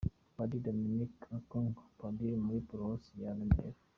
Padiri Dominick Okwadha : Padiri muri Paruwasi ya Remera.